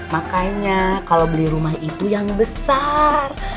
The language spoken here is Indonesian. makanya kalau beli rumah itu yang besar